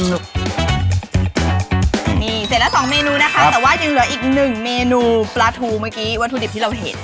นี่เสร็จแล้ว๒เมนูนะคะแต่ว่ายังเหลืออีกหนึ่งเมนูปลาทูเมื่อกี้วัตถุดิบที่เราเห็น